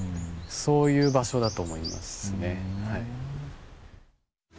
そういう場所だと思いますね。